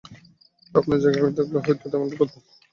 আপনার জায়গায় আমি থাকলেও হয়ত তেমনটাই করতাম।